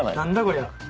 こりゃ。